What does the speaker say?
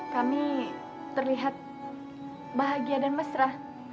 kami terlihat bahagia dan mesra